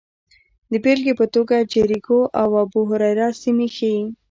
د بېلګې په توګه جریکو او ابوهریره سیمې ښيي